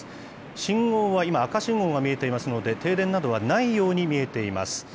信号は今、赤信号が見えていますので、停電などはないように見えています。